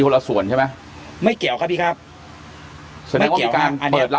คนละส่วนใช่ไหมไม่เกี่ยวครับพี่ครับไม่เกี่ยวนะอันเนี้ยเปิดรับ